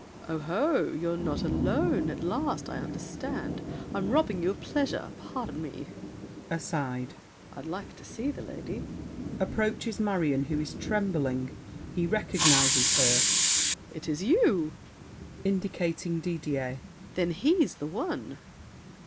Oh, ho! You're not alone! At last I understand! I'm robbing you of pleasure. Pardon me! [Aside.] I'd like to see the lady! [Approaches Marion, who is trembling: he recognizes her. It is you! [Indicating Didier. Then he's the one!